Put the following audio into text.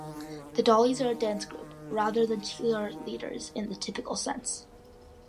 The Dollies are a dance group, rather than cheerleaders in the typical sense.